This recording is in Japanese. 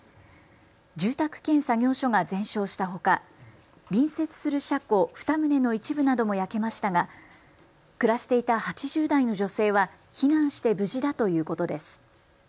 住宅兼作業所が全焼したほか隣接する車庫２棟の一部なども焼けましたが暮らしていた８０代の女性は避難して無事だということです。